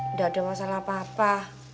nggak ada masalah apa apa